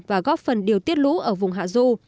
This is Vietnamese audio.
và góp phần điều tiết lũ ở vùng hạ du